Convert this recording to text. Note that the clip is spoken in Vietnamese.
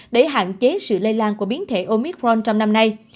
để hạn chế sự lây lan của biến thể omitforn trong năm nay